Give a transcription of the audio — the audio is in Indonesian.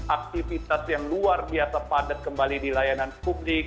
aktivitas yang luar biasa padat kembali di layanan publik